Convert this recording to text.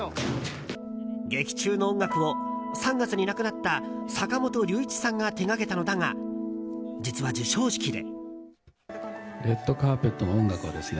劇中の音楽を、３月に亡くなった坂本龍一さんが手掛けたのだが実は授賞式で。